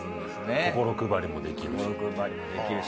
心配りもできるし。